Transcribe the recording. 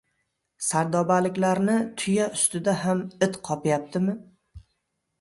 Sardobaliklarni «tuya ustida ham» it qopyaptimi?